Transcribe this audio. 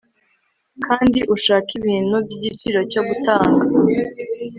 kandi ushake ibintu by'igiciro cyo gutanga